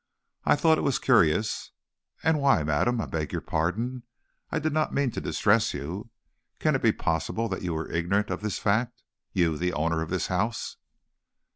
I thought it was curious, and Why, madam, I beg your pardon; I did not mean to distress you. Can it be possible that you were ignorant of this fact? you, the owner of this house!"